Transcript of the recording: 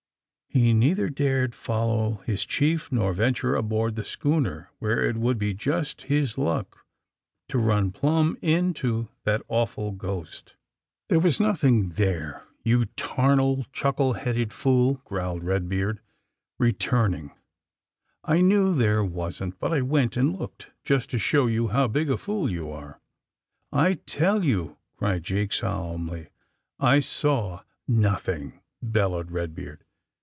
He neither dared follow his chief nor venture aboard the schooner, where it would be just his luck to run plump into that awful ghost. There was nothing there, you tarnal, chuckle ii 192 THE SUBMAEINE BOYS headed fool!" growled Eedbeard, returning. ^^I knew there wasn't, but I went and looked, just to show you how big a fool you are !'^ '^I tell you/' cried Jake solemnly, '*I saw "^^ Nothing!" bellowed Eedbeard.